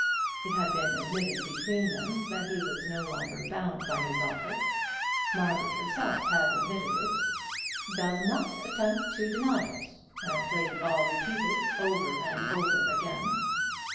It had been admitted between them that he was no longer bound by his offer. Margaret herself had admitted it, "does not attempt to deny it," as Lady Ball repeated over and over again.